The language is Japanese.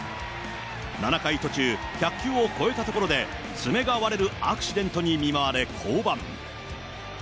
７回途中、１００球を超えたところで、爪が割れるアクシデントに見舞われ降板。